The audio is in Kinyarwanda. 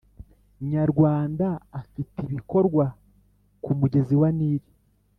Nyarwanda afite ibikorwa ku mugezi wa Nil